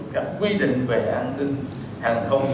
các quy định về an ninh hàng không